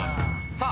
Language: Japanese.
さあ